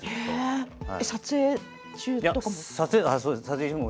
撮影中とかも？